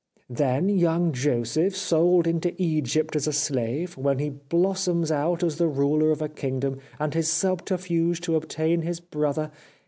"' Then, young Joseph sold into Egypt as a slave, when he blossoms out as the ruler of a kingdom, and his subterfuge to obtain his brother.